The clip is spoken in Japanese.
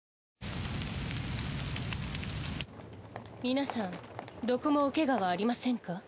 皆さんどこもおけがはありませんか？